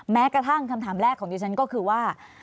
แม้กระทั่งคำถามแรกของดิฉันก็คือว่า